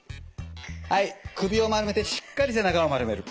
はい首を丸めてしっかり背中を丸める。